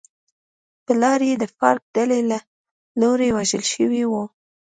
پلار یې د فارک ډلې له لوري وژل شوی و.